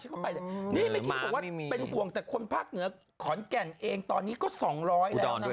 แม้คุณบอกว่าเป็นว่างแต่คนพักเหนือขอนแก่นเองตอนนี้ก็๒๐๐ับแล้วนะ